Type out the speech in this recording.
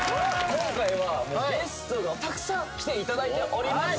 今回はゲストがたくさん来ていただいております